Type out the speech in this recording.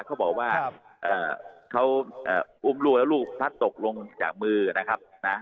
เขาบอกว่าเขาอุ้มลูกแล้วลูกพลัดตกลงจากมือนะครับนะ